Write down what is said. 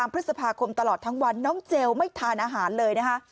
พฤษภาคมตลอดทั้งวันน้องเจลไม่ทานอาหารเลยนะคะ